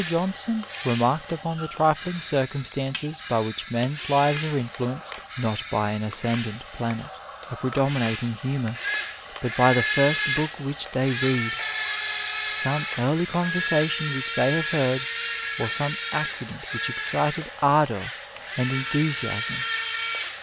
Johnson remarked upon the trifling circumstances by which men s lives are influenced, "not by an ascendant planet, a predominating humour, but by 15 A WAY the first book which they read, some early conversation which they have heard, or some acci dent which excited ardour and enthusiasm."